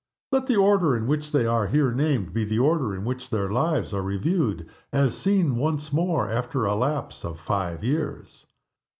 Let the order in which they are here named be the order in which their lives are reviewed, as seen once more after a lapse of five years.